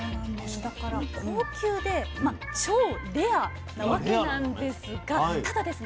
だから高級でまあ超レアなわけなんですがただですね